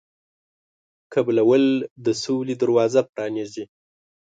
قبلول د سولې دروازه پرانیزي.